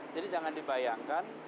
jadi jangan dibayangkan